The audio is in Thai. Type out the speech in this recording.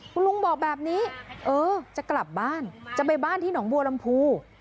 คุณลุงบอกแบบนี้เออจะกลับบ้านจะไปบ้านที่หนองบัวลำพู